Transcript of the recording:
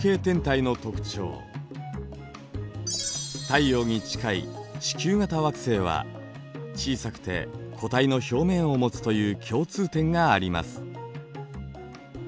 太陽に近い地球型惑星は小さくて固体の表面を持つという共通点があります。